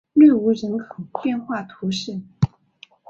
内乌人口变化图示